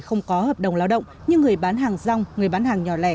không có hợp đồng lao động như người bán hàng rong người bán hàng nhỏ lẻ